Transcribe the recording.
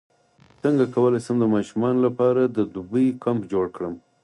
څنګه کولی شم د ماشومانو لپاره د دوبي کمپ جوړ کړم